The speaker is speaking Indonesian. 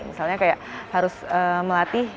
misalnya kayak harus melatih